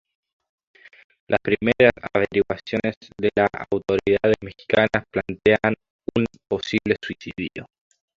Las primeras averiguaciones de las autoridades mexicanas plantean un posible suicidio.